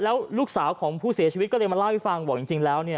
แล้วลูกสาวของผู้เสียชีวิตก็เลยมาเล่าให้ฟังบอกจริงแล้วเนี่ย